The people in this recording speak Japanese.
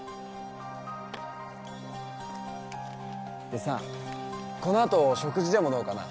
でさこの後食事でもどうかな？